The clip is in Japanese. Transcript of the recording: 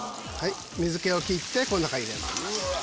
水気を切ってこの中に入れます。